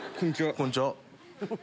こんにちは。